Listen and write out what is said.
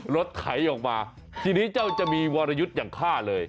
ไถออกมาทีนี้เจ้าจะมีวรยุทธ์อย่างฆ่าเลย